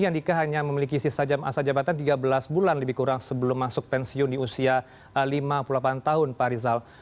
andika hanya memiliki sisa jabatan tiga belas bulan lebih kurang sebelum masuk pensiun di usia lima puluh delapan tahun pak rizal